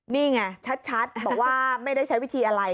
นี่ไงชัดบอกว่าไม่ได้ใช้วิธีอะไร